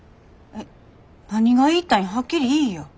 何が言いたいんはっきり言いや。